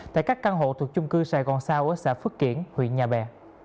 tại các căn hộ thuộc chung cư sài gòn sao ở xã phước kiển huyện nhà bè